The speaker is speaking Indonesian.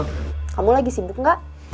kamu lagi sibuk gak